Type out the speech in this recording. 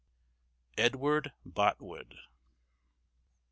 EDWARD BOTWOOD.